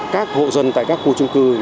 các hộ dân tại các khu trung cung